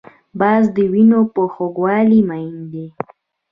باز د وینو په خوږوالي مین دی